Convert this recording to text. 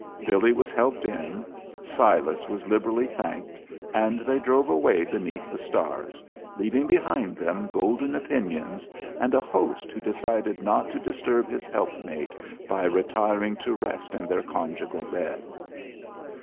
Billy was helped in, Silas was liberally thanked, and they drove away beneath the stars, leaving behind them golden opinions, and a host who decided not to disturb his helpmate by retiring to rest in their conjugal bed.